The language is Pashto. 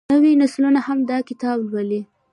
نوې نسلونه هم دا کتاب لولي.